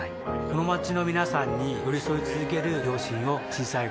この街の皆さんに寄り添い続ける両親を小さい頃から見ていました